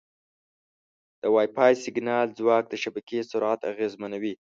د وائی فای سیګنال ځواک د شبکې سرعت اغېزمنوي.